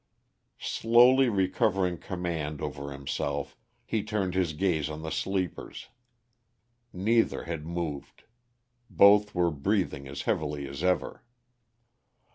Slowly recovering command over himself, he turned his gaze on the sleepers: neither had moved; both were breathing as heavily as ever.